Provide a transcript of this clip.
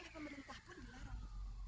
oleh pemerintah pun dilarang